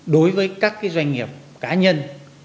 đối với các doanh nghiệp cá nhân